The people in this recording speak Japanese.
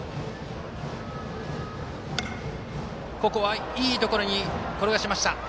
ここはいいところに転がしました。